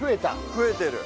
増えてる。